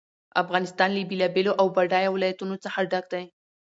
افغانستان له بېلابېلو او بډایه ولایتونو څخه ډک دی.